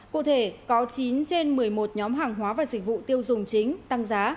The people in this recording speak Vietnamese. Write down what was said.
cụ thể có chín trên một mươi một nhóm hàng hóa và dịch vụ tiêu dùng chính tăng giá